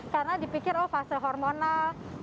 karena dipikir oh fase hormonal